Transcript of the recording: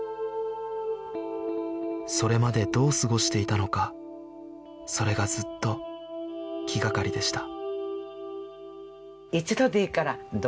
それまでどう過ごしていたのかそれがずっと気掛かりでした